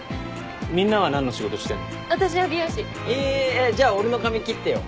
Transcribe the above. えじゃあ俺の髪切ってよ。